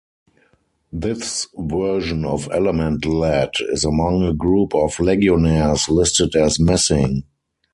This version of Element Lad is among a group of Legionnaires listed as missing.